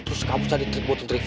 terus kamu cari trip button drift